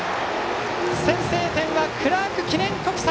先制点はクラーク記念国際！